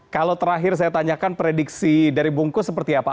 kalau terakhir saya tanyakan prediksi dari bungkus seperti apa